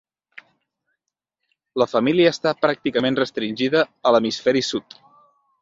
La família està pràcticament restringida a l'hemisferi sud.